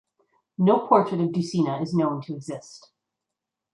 No portrait of Dusina is known to exist.